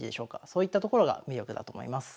そういったところが魅力だと思います。